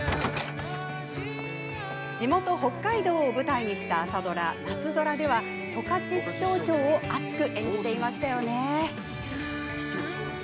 地元、北海道を舞台にした朝ドラ「なつぞら」では十勝支庁長を熱く演じていましたよね。